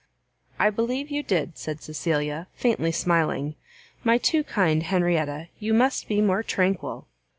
"I believe you did," said Cecilia, faintly smiling; "my too kind Henrietta, you must be more tranquil!"